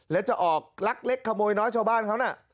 แล้วจะออกลักเล็กขโมยน้อยชาวบ้านเขาน่ะ